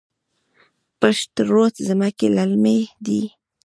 پشت رود ځمکې للمي دي؟